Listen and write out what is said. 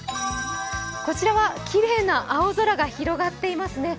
こちらはきれいな青空が広がっていますね。